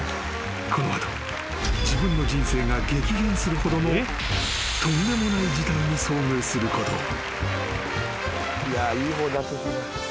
［この後自分の人生が激変するほどのとんでもない事態に遭遇することを］